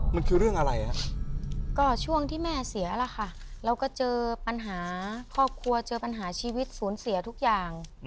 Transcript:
มันคือเรื่องอะไรฮะก็ช่วงที่แม่เสียล่ะค่ะเราก็เจอปัญหาครอบครัวเจอปัญหาชีวิตศูนย์เสียทุกอย่าง